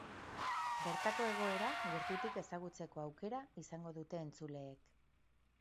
Bertako egoera gertutik ezagutzeko aukera izango dute entzuleek.